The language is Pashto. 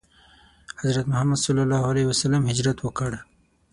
حضرت محمد ﷺ هجرت وکړ.